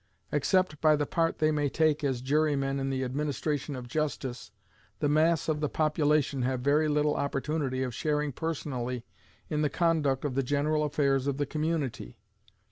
Except by the part they may take as jurymen in the administration of justice, the mass of the population have very little opportunity of sharing personally in the conduct of the general affairs of the community.